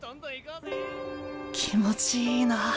気持ちいいなあ。